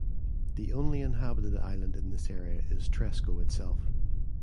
The only inhabited island in this area is Tresco itself.